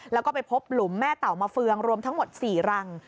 แล้วก็ไปพบหลุมแม่เต่ามาเฟืองรวมทั้งหมด๔รัง